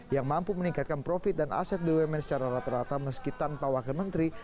yang mampu meningkatkan profit dan aset bumn secara rata rata meski tanpa wakil menteri